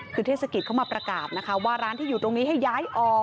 คือเทศกิจเข้ามาประกาศนะคะว่าร้านที่อยู่ตรงนี้ให้ย้ายออก